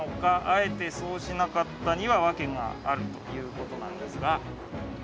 あえてそうしなかったのにはわけがあるという事なんですが。